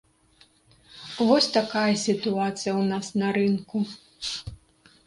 Вось такая сітуацыя ў нас на рынку.